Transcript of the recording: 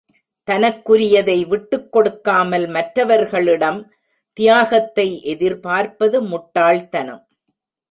தனக்குரியதை விட்டுக் கொடுக்காமல், மற்றவர்களிடம் தியாகத்தை எதிர்பார்ப்பது முட்டாள் தனம்.